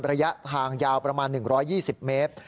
ระยะทางยาวประมาณ๑๒๐เมตร